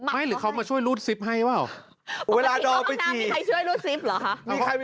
ไม่หรือเขามาช่วยลูดสิฟท์ให้ว้าวเวลาเลยแบบถี่